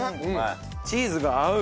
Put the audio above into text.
チーズが合う。